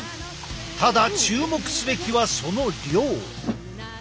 ただ注目すべきはその量。